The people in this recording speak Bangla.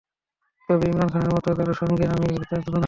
তবে ইমরান খানের মতো কারও সঙ্গে আমি তার তুলনা করব না।